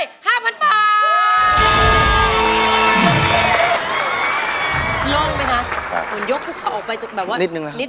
ลงเลยมั้ยคะเป็นยกทุกข่าวออกไปจากแบบว่านิดนึง